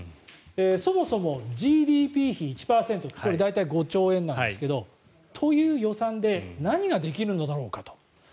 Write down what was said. そもそもＧＤＰ比１％これ、大体５兆円なんですがという予算で何ができるのだろうかと。